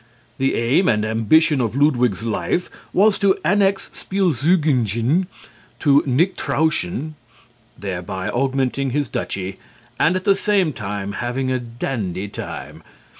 The aim and ambition of Ludwig's life was to annex Spielzeugingen to Nichtrauschen, thereby augmenting his duchy and at the same time having a dandy time.